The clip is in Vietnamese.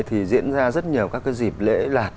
thì diễn ra rất nhiều các cái dịp lễ lạt